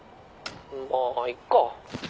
「まあいっか」